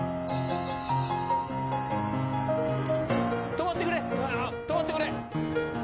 止まってくれ止まってくれ。